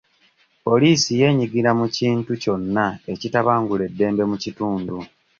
Poliisi yenyigira mu kintu kyonna ekitabangula eddembe mu kitundu.